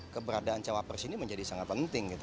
keberadaan cowopres ini menjadi sangat penting